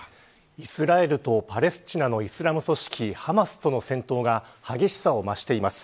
イスラエルとパレスチナのイスラム組織、ハマスとの戦闘が激しさを増しています。